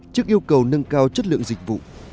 trước yêu cầu nâng cao chất lượng dịch vụ